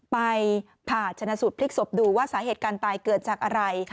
ไปผ่าชนะสูตรพลิกศพดูว่าสาเหตุการณ์ตายเกิดจากอะไร